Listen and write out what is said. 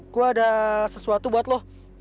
gue ada sesuatu buat lo